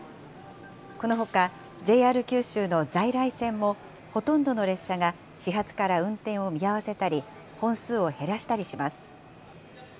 このほか、ＪＲ九州の在来線も、ほとんどの列車が始発から運転を見合わせたり、本数を減らしたりします。